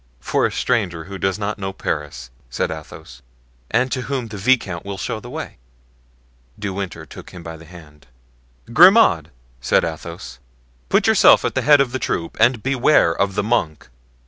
"For a stranger who does not know Paris," said Athos, "and to whom the viscount will show the way." De Winter shook him by the hand. "Grimaud," said Athos, "put yourself at the head of the troop and beware of the monk."